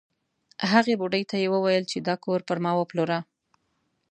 هغې بوډۍ ته یې وویل چې دا کور پر ما وپلوره.